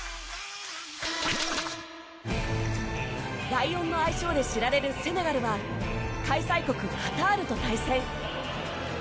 ライオンの愛称で知られるセネガルは開催国カタールと対戦。